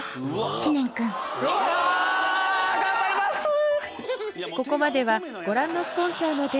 知念君・うわ頑張りますぅ！